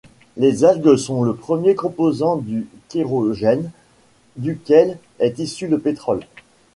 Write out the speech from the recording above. Les algues sont le premier composant du kérogène, duquel est issu le pétrole.